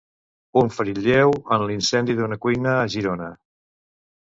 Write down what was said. Un ferit lleu en l'incendi d'una cuina a Girona.